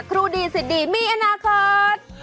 ครูดีสิดดีมีอนาคต